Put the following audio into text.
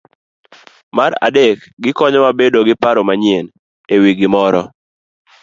Mar adek, gikonyowa bedo gi paro manyien e wi gimoro.